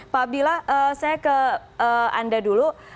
pak abdillah saya ke anda dulu